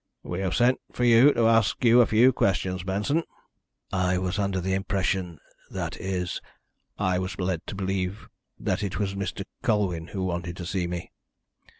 "We have sent for you to ask you a few questions, Benson." "I was under the impression that is, I was led to believe that it was Mr. Colwyn who wanted to see me."